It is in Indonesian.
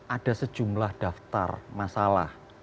ada sejumlah daftar masalah